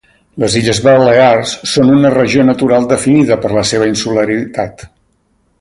Les illes Balears són una regió natural definida per la seva insularitat.